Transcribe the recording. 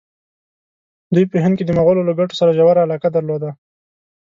دوی په هند کې د مغولو له ګټو سره ژوره علاقه درلوده.